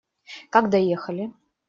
Как доехали?